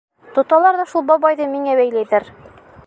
Тоталар ҙа шул бабайҙы миңә бәйләйҙәр!